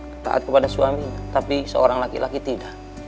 ketaat kepada suaminya tapi seorang laki laki tidak